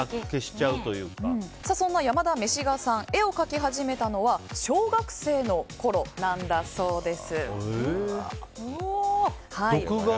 そんな山田めしがさん絵を描き始めたのは小学生のころだそうです。